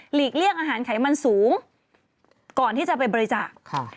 เลี่ยงอาหารไขมันสูงก่อนที่จะไปบริจาคค่ะ